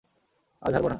আজ হারবো না।